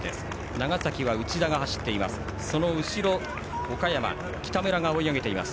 長崎は内田が走っています。